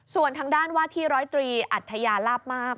ส่วนทางด้านวาดที่๑๐๓อัตยาลาบมาก